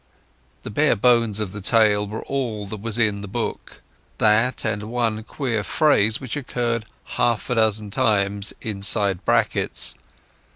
The bare bones of the tale were all that was in the book—these, and one queer phrase which occurred half a dozen times inside brackets.